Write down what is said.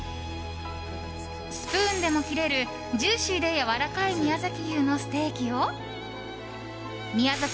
スプーンでも切れるジューシーでやわらかい宮崎牛のステーキを宮崎